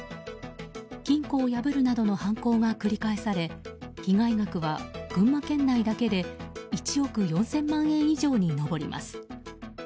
金庫を破るなどの犯行が繰り返され被害額は群馬県内だけで１億４０００万円以上に上ります。